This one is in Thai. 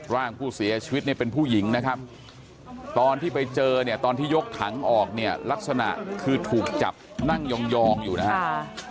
ร่างผู้เสียชีวิตเนี่ยเป็นผู้หญิงนะครับตอนที่ไปเจอเนี่ยตอนที่ยกถังออกเนี่ยลักษณะคือถูกจับนั่งยองอยู่นะครับ